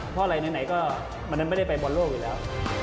เพราะอะไรไหนก็มันไม่ได้ไปบอลโลกอยู่แล้ว